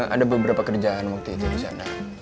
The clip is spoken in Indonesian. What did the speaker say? ada beberapa kerjaan waktu itu di sana